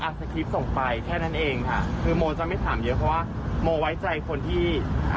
สคริปต์ส่งไปแค่นั้นเองค่ะคือโมจะไม่ถามเยอะเพราะว่าโมไว้ใจคนที่อ่า